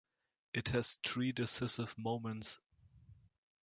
It has three decisive moments.